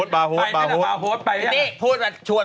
บาโฮด